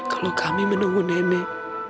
kalau kami menunggu nenek